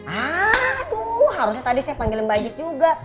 aduuuh harusnya tadi saya jadi panggiling bajes juga